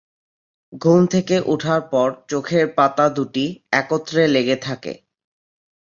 ঘুম থেকে উঠার পর চোখের পাতা দুটি একত্রে লেগে থাকে।